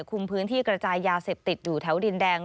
คุมพื้นที่กระจายยาเสพติดอยู่แถวดินแดง